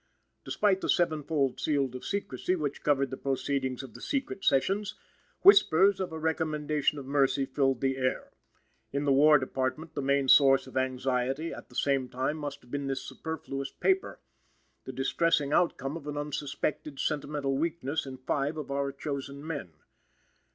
Despite the seven fold seal of secrecy which covered the proceedings of the secret sessions, whispers of a recommendation of mercy filled the air. In the War Department, the main source of anxiety, at the same time, must have been this superfluous paper the distressing outcome of an unsuspected sentimental weakness in five of our chosen men.